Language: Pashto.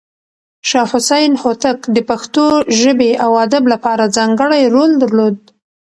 شاه حسين هوتک د پښتو ژبې او ادب لپاره ځانګړی رول درلود.